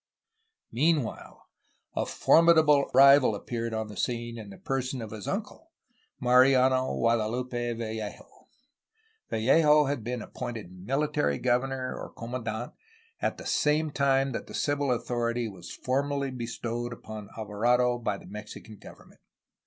Meanwhile, a formidable rival appeared upon the scene in the person of his uncle, Mariano Guadalupe Vallejo. Vallejo had been appointed military governor, or com mandant, at the same time that the civil authority was formally bestowed upon Alvarado by the Mexican govern ment.